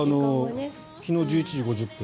昨日１１時５０分